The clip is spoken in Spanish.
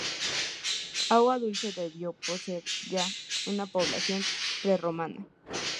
Aguadulce debió poseer ya, una población prerromana.